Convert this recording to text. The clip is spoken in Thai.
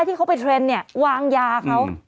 ที่เขาไปเทรนด์เนี่ยวางยาเขา